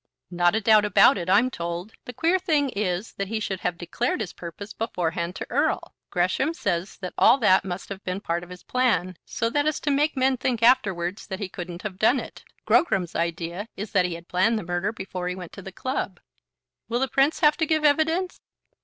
"Not a doubt about it, I'm told. The queer thing is that he should have declared his purpose beforehand to Erle. Gresham says that all that must have been part of his plan, so as to make men think afterwards that he couldn't have done it. Grogram's idea is that he had planned the murder before he went to the club." "Will the Prince have to give evidence?"